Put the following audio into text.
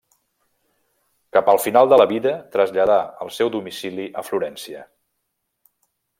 Cap al final de la vida traslladà el seu domicili a Florència.